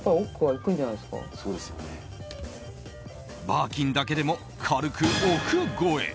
バーキンだけでも軽く億超え！